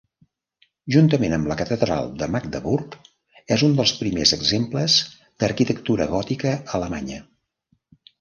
Juntament amb la Catedral de Magdeburg és un dels primers exemples d'arquitectura gòtica alemanya.